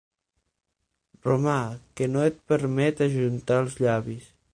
Romà que no et permet ajuntar els llavis.